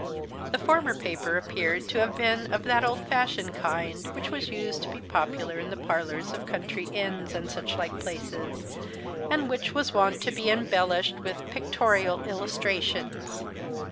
This former paper appeared to have been of that old fashioned kind which used to be popular in the parlours of country inns, and such like places, and which was wont to be embellished with "pictorial illustrations."